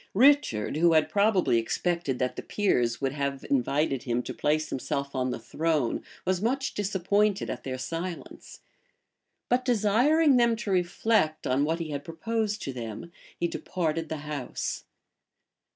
Richard, who had probably expected that the peers would have invited him to place himself on the throne, was much disappointed at their silence; but desiring them to reflect on what he had proposed to them, he departed the house.